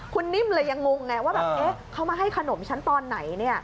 คุณนิ่มเลยยังงงไงว่าแบบเขามาให้ขนมฉันตอนไหน